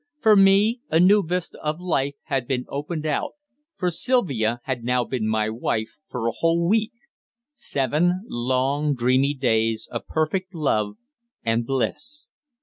For me, a new vista of life had been opened out, for Sylvia had now been my wife for a whole week seven long dreamy days of perfect love and bliss.